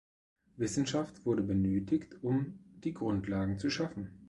Wissenschaft wurde benötigt, um die Grundlagen zu schaffen.